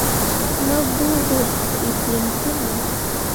Ma guuɓe bebemme te nah.